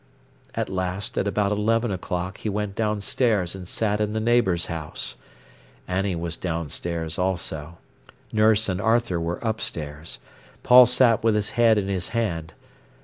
At last, at about eleven o'clock, he went downstairs and sat in the neighbour's house. Annie was downstairs also. Nurse and Arthur were upstairs. Paul sat with his head in his hand.